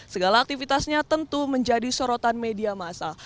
segala aktivitasnya tentu menjadi sorotan media masa